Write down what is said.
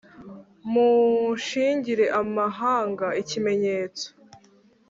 Mushingire amahanga ikimenyetso